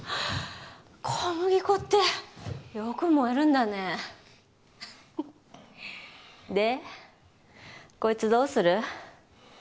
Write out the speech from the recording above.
小麦粉ってよく燃えるんだねでこいつどうする？